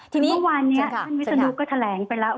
เมื่อวานนี้อันวิสดุก็แถลงไปแล้ว